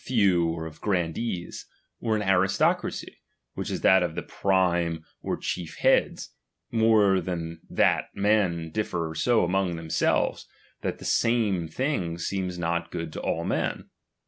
few or grandees, or an aristocracy, which is that of the prime or chief heads, more than that men differ so among themselves, that the same things seem not good to all men